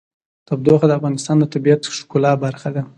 تودوخه د افغانستان د طبیعت د ښکلا برخه ده.